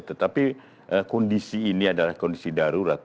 tetapi kondisi ini adalah kondisi darurat